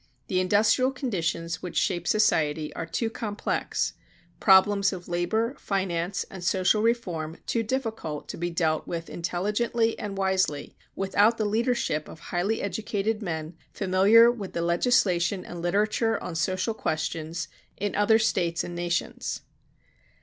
The industrial conditions which shape society are too complex, problems of labor, finance, social reform too difficult to be dealt with intelligently and wisely without the leadership of highly educated men familiar with the legislation and literature on social questions in other States and nations.